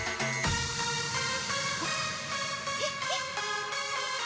えっ？えっ？